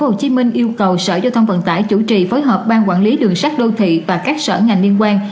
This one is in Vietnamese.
ủy ban nhân dân tp hcm yêu cầu sở giao thông vận tải chủ trì phối hợp ban quản lý đường sát đô thị và các sở ngành liên quan